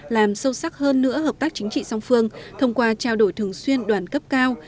làm sâu sắc hơn nữa hợp tác chính trị song phương thông qua trao đổi thường xuyên đoàn cấp cao